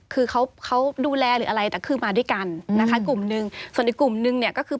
คือเขาเขาดูแลหรืออะไรแต่คือมาด้วยกันนะคะกลุ่มหนึ่งส่วนอีกกลุ่มนึงเนี่ยก็คือ